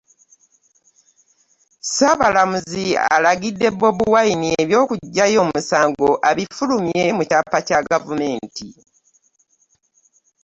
Ssaabalamuzi alagidde Bobi Wine eby'okuggyayo omusango abifulumye mu kyapa Kya gavumenti